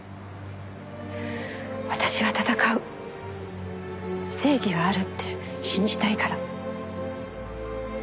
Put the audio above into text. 「私は戦う」「正義はあるって信じたいから」